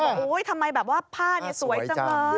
โอ้โหทำไมแบบว่าผ้าเนี่ยสวยจังเลย